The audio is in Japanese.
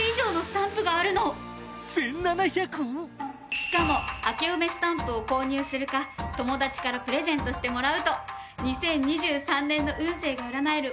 しかもあけおめスタンプを購入するか友達からプレゼントしてもらうと２０２３年の運勢が占えるおみくじを引けるの！